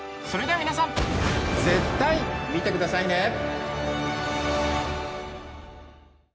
それでは皆さん絶対見てくださいね！